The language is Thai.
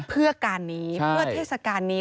เพื่อการนี้เพื่อเทศกาลนี้